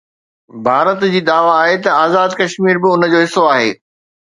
ڀارت جي دعويٰ آهي ته آزاد ڪشمير به ان جو حصو آهي.